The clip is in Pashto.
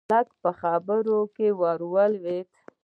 ملک په خبره کې ور ولوېد: